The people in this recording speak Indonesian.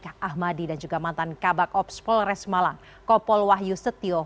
kak ahmadi dan juga mantan kabak ops polores malang kopol wahyu setio